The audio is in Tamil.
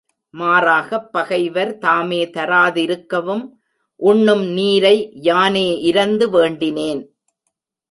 மாறாகப் பகைவர் தாமே தராதிருக்கவும், உண்ணும் நீரை யானே இரந்து வேண்டினேன்.